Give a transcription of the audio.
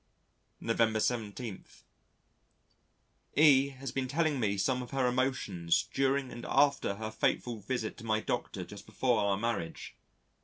November 17. E has been telling me some of her emotions during and after her fateful visit to my Doctor just before our marriage.